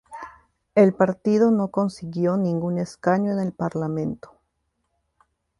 El partido no consiguió ningún escaño en el parlamento.